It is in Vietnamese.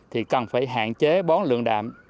thì cần phải hạn chế bón lượng